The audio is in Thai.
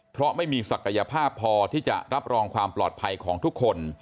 เพราะไม่มีศักยภาพพอที่จะรับรองความปลอดภัยของทุกคน